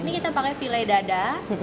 ini kita pakai file dada